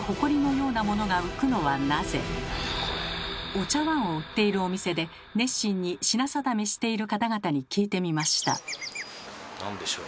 お茶わんを売っているお店で熱心に品定めしている方々に聞いてみました。